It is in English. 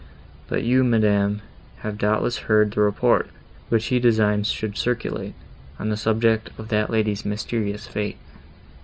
But you, madam, have doubtless heard the report, which he designs should circulate, on the subject of that lady's mysterious fate."